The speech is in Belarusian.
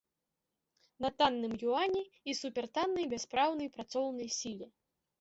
На танным юані і супертаннай, бяспраўнай працоўнай сіле.